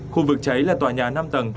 khu vực cháy là tòa nhà năm tầng